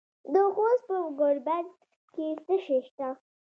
د خوست په ګربز کې څه شی شته؟